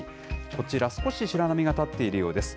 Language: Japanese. こちら、少し白波が立っているようです。